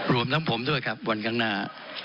รวมทั้งผมด้วยครับวันข้างหน้า